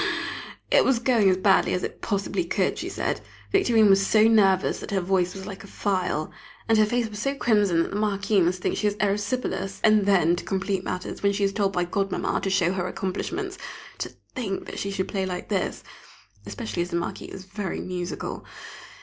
It was going as badly as it possibly could, she said. Victorine was so nervous that her voice was like a file, and her face so crimson that the Marquis must think she has erysipelas! And then, to complete matters, when she is told by Godmamma to show her accomplishments, to think that she should play like this! Especially as the Marquis is very musical!